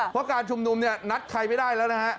เพราะการชุมนุมเนี่ยนัดใครไม่ได้แล้วนะฮะ